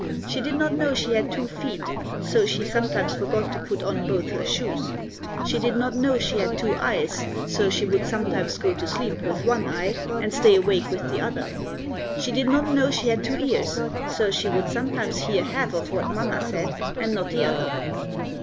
She did not know she had two feet, so she sometimes forgot to put on both her shoes; she did not know she had two eyes, so she would sometimes go to sleep with one eye, and stay awake with the other; she did not know she had two ears, so she would sometimes hear half of what Mamma said, and not hear the other.